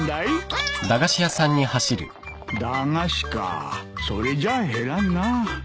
駄菓子かあそれじゃ減らんなあ。